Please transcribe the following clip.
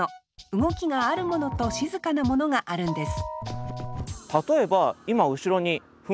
動きがあるものと静かなものがあるんです